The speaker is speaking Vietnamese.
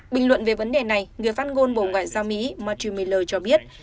bình luận về vấn đề này người phát ngôn bộ ngoại giao mỹ matthew miller cho biết